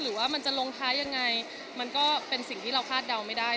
หรือว่ามันจะลงท้ายยังไงมันก็เป็นสิ่งที่เราคาดเดาไม่ได้